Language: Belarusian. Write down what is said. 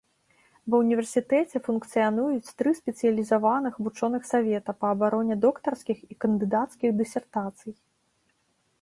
Ва ўніверсітэце функцыянуюць тры спецыялізаваных вучоных савета па абароне доктарскіх і кандыдацкіх дысертацый.